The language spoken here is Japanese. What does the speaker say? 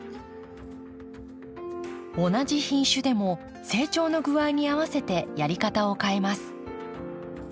同じ品種でも成長の具合に合わせてやり方を変えます。